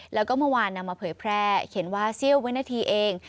แล้วก็เมื่อวานนำมาเผยแพร่เขียนว่าเสี้ยววินาทีเอง